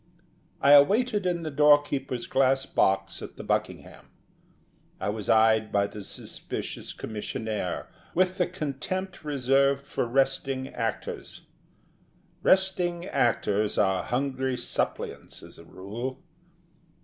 I waited in the doorkeeper's glass box at the Buckingham. I was eyed by the suspicious commissionaire with the contempt reserved for resting actors. Resting actors are hungry suppliants as a rule.